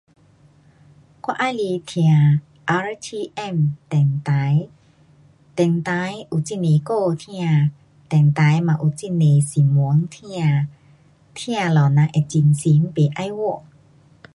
我喜欢听 R.T.M. 电台，电台有很多歌听。电台嘛有很多新闻听。听了人会精神不爱睡。